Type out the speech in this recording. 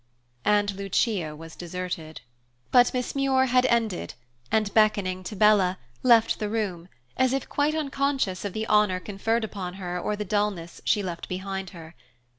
And Lucia was deserted. But Miss Muir had ended and, beckoning to Bella, left the room, as if quite unconscious of the honor conferred upon her or the dullness she left behind her.